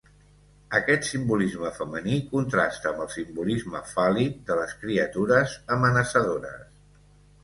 Aquest simbolisme femení contrasta amb el simbolisme fàl·lic de les criatures amenaçadores.